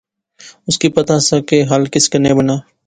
اس کی پتا سا کہ ہل کس کنے بنا